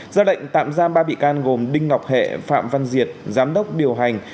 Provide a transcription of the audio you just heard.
ra lệnh tạm giam ba bị can gồm đinh ngọc hệ phạm văn diệt giám đốc điều hành